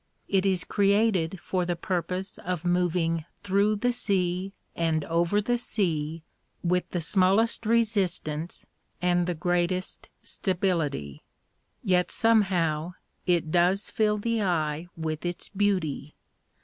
It is created for the purpose of moving through the sea and over the sea with the smallest resistance and the greatest stability; yet, somehow, it does fill the eye with its beauty.